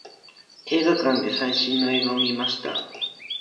映画館で最新の映画を見ました。